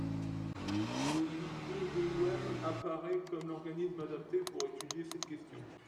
L’IEDOM apparaît comme l’organisme adapté pour étudier cette question.